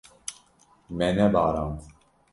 Me nebarand.